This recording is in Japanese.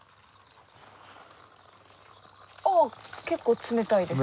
あっ結構冷たいですね。